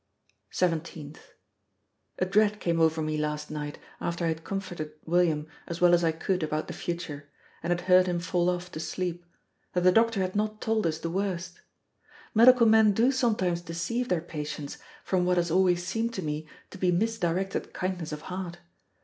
17th. A dread came over me last night, after I had comforted William as well as I could about the future, and had heard him fall off to sleep, that the doctor had not told us the worst. Medical men do sometimes deceive their patients, from what has always seemed to me to be misdirected kindness of heart.